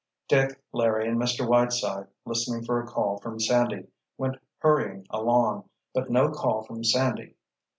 Dick, Larry and Mr. Whiteside, listening for a call from Sandy, went hurrying along. But no call from Sandy.